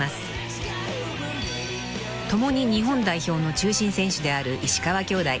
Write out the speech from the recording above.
［共に日本代表の中心選手である石川きょうだい］